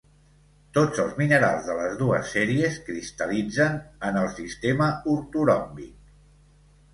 Tots els minerals de les dues sèries cristal·litzen en el sistema ortoròmbic.